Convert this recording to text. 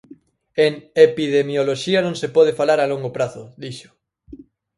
En epidemioloxía non se pode falar a longo prazo, dixo.